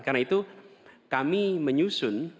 karena itu kami menyusun